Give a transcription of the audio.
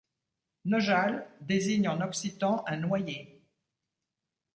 Nojal désigne en occitan un noyer.